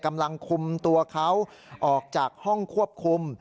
กำลังคุมตัวเขาออกจากห้องควบคุม